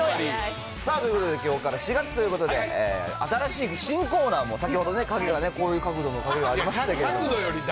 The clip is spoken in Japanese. さあ、きょうから４月ということで、新しい新コーナーも、先ほどもね、こういう角度の紙がありましたけど。